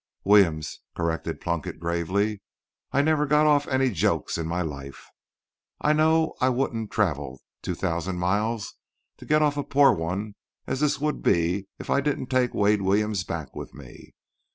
"'Williams,'" corrected Plunkett gravely. "I never got off any jokes in my life. I know I wouldn't travel 2,000 miles to get off a poor one as this would be if I didn't take Wade Williams back with me.